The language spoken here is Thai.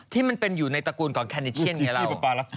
ที่มันเป็นอยู่ในตระกูลของแคนิเชียนไงล่ะ